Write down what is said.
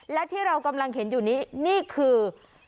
และที่เรากำลังเห็นอยู่นี้นี่คือ